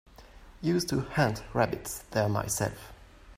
Used to hunt rabbits there myself.